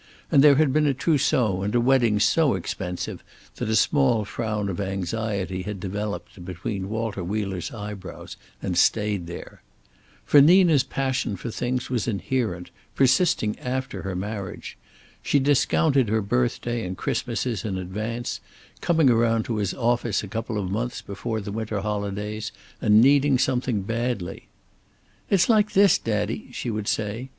And there had been a trousseau and a wedding so expensive that a small frown of anxiety had developed between Walter Wheeler's eyebrows and stayed there. For Nina's passion for things was inherent, persisting after her marriage. She discounted her birthday and Christmases in advance, coming around to his office a couple of months before the winter holidays and needing something badly. "It's like this, daddy," she would say.